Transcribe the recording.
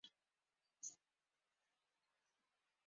One of the videos, Your Order!